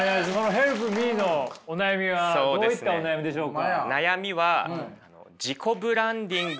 ヘルプミーのお悩みはどういったお悩みでしょうか。